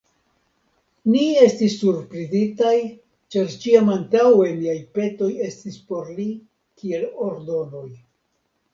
Ni estis surprizitaj, ĉar ĉiam antaŭe niaj petoj estis por li kiel ordonoj.